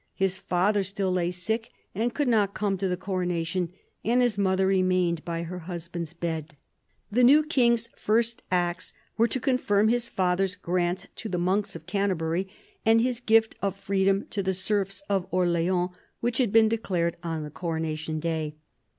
His father still lay sick, and could not come to the coronation, and his mother remained by her husband's bed. The new king's first acts were to confirm his father's grants to the monks of Canterbury and his gift of freedom to the serfs of Orleans, which had been declared on the coronation day.